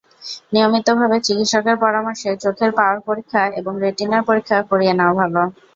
নিয়মিতভাবে চিকিৎসকের পরামর্শে চোখের পাওয়ার পরীক্ষা এবং রেটিনার পরীক্ষা করিয়ে নেওয়া ভালো।